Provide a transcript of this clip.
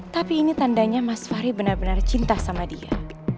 tapi ini tandanya mas fahri benar benar cinta sama dia